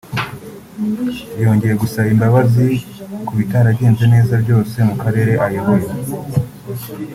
yongeye gusaba imbabazi ku bitaragenze neza byose mu karere ayoboye